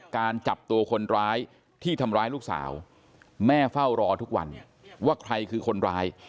การจับตัวคนร้ายที่ทำร้ายลูกสาวแม่เฝ้ารอทุกวันว่าใครคือคนร้าย